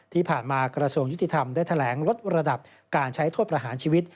ที่ผ่านมากรส่งยุติธรรมได้แถลงลดระดับการใช้โทษประหารชีวิต